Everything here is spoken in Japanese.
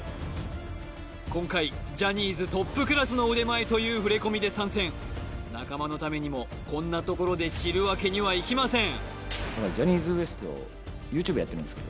今回「ジャニーズトップクラスの腕前」という触れ込みで参戦仲間のためにもこんな所で散るわけにはいきません